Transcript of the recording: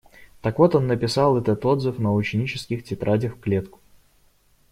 Так вот он написал этот отзыв на ученических тетрадях в клетку.